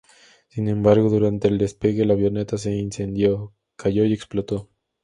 Sin embargo, durante el despegue la avioneta se incendió, cayó y explotó.